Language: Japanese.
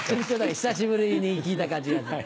久しぶりに聞いた感じがする。